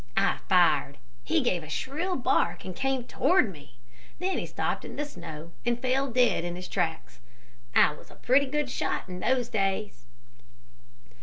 I fired. He gave a shrill bark, and came toward me. Then he stopped in the snow and fell dead in his tracks. I was a pretty good shot in those days."